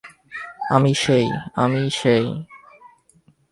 আমি সেই, আমিই সেই।